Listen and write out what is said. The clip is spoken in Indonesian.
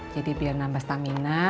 jadi biar nambah stamina